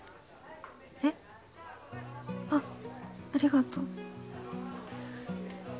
えっ？あっありがとう